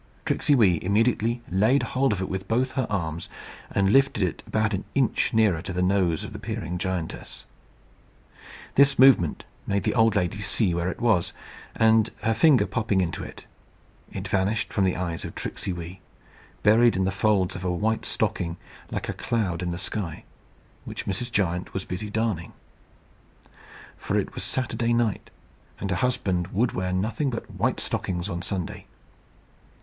Tricksey Wee immediately laid hold of it in both her arms, and lifted it about an inch nearer to the nose of the peering giantess. This movement made the old lady see where it was, and, her finger popping into it, it vanished from the eyes of Tricksey Wee, buried in the folds of a white stocking like a cloud in the sky, which Mrs. Giant was busy darning. For it was Saturday night, and her husband would wear nothing but white stockings on Sunday.